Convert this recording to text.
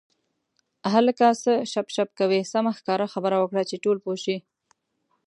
هلکه څه شپ شپ کوې سمه ښکاره خبره وکړه چې ټول پوه شي.